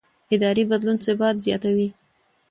اداري بدلون ثبات زیاتوي